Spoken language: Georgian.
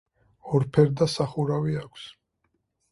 ორფერდა სახურავი აქვს.